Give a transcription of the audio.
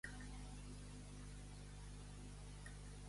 La Crida tanca després de l'acord a la Diputació de Barcelona.